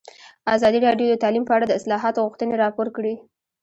ازادي راډیو د تعلیم په اړه د اصلاحاتو غوښتنې راپور کړې.